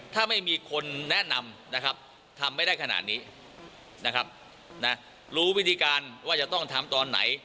ทำไม่ได้ขนาดนี้นะครับรู้วิธีการว่าจะต้องทำตอนไหน